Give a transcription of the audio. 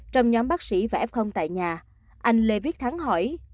trong nhóm bác sĩ và f tại nhà anh lê viết thắng hỏi